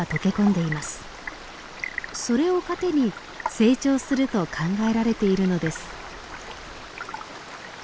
それを糧に成長すると考えられているのです。